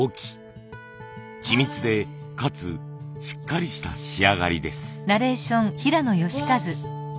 緻密でかつしっかりした仕上がりです。